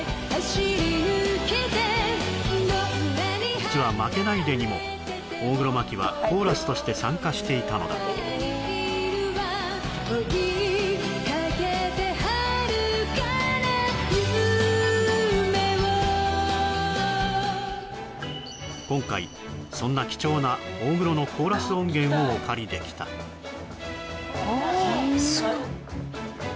実は「負けないで」にも大黒摩季はコーラスとして参加していたのだ今回そんな貴重な大黒のコーラス音源をお借りできたおおっすごっ